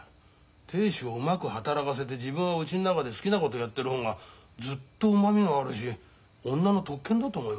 亭主をうまく働かせて自分はうちの中で好きなことやってる方がずっとうまみがあるし女の特権だと思いますがね。